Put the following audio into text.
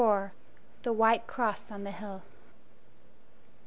IV. The White Cross on the Hill.